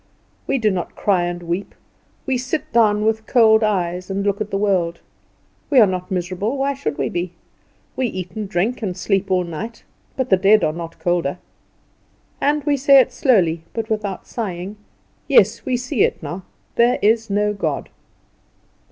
We do not cry and weep: we sit down with cold eyes and look at the world. We are not miserable. Why should we be? We eat and drink, and sleep all night; but the dead are not colder. And we say it slowly, but without sighing, "Yes, we see it now; there is no God."